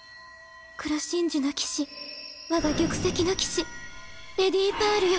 黒真珠の騎士我が玉石の騎士レディパールよ。